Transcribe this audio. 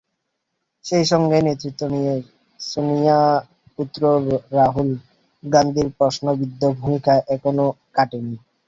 সেই সঙ্গে নেতৃত্ব নিয়ে সোনিয়াপুত্র রাহুল গান্ধীর প্রশ্নবিদ্ধ ভূমিকা এখনো কাটেনি।